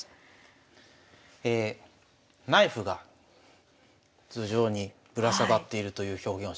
えナイフが頭上にぶら下がっているという表現をしましたが。